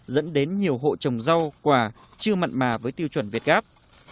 dẫn đến nhiều hộ trồng rau quả chưa mặn mà với tiêu chuẩn việt gáp